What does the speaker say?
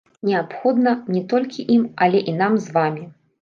Неабходна не толькі ім, але і нам з вамі.